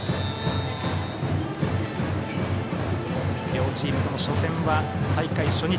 両チームとも初戦は大会初日。